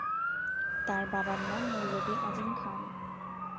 তার বাবার নাম মৌলভি আজিম খান।